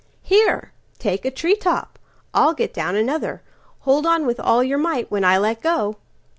"Here, take a tree top, I'll get down another. Hold on with all your might when I let go."